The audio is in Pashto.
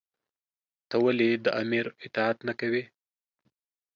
تۀ ولې د آمر اطاعت نۀ کوې؟